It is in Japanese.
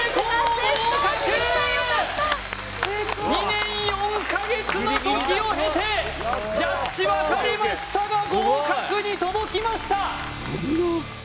２年４か月の時をへてジャッジ分かれましたが合格に届きました！